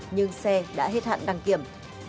nhưng xe đã hết hạn đăng kiểm